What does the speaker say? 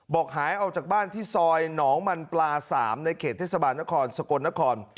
หายออกจากบ้านที่ซอยหนองมันปลา๓ในเขตเทศบาลนครสกลนคร